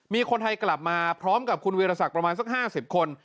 มีคนไทยกลับมาพร้อมกับคุณวิรสักประมาณสัก๕๐คน